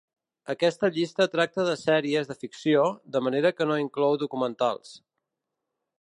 Aquesta llista tracta de sèries de ficció, de manera que no inclou documentals.